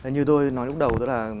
như tôi nói lúc đầu đó là